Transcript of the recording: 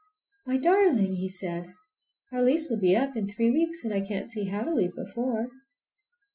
"Why darling!" said he, "our lease will be up in three weeks, and I can't see how to leave before.